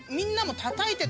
たたいてた。